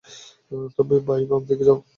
ভাই, বাম দিকে যাও।